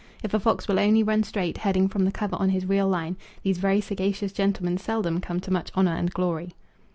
If a fox will only run straight, heading from the cover on his real line, these very sagacious gentlemen seldom come to much honour and glory.